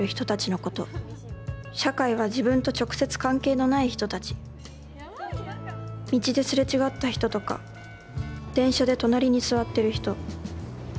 「社会」は自分と直接関係のない人達道ですれ違った人とか電車で隣に座ってる人。